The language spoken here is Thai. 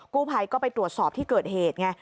กู้ภัยก็ไปตรวจสอบที่เกิดเหตุไง